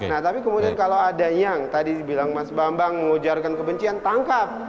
nah tapi kemudian kalau ada yang tadi bilang mas bambang mengujarkan kebencian tangkap